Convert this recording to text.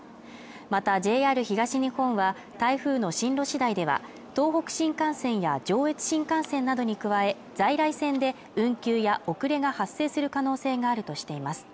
またＪＲ東日本は台風の進路次第では東北新幹線や上越新幹線などに加え在来線で運休や遅れが発生する可能性があるとしています